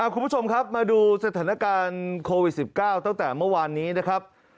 คุณผู้ชมครับมาดูสถานการณ์โควิด๑๙ตั้งแต่เมื่อวานนี้นะครับ